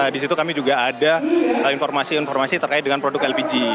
di situ kami juga ada informasi informasi terkait dengan produk lpg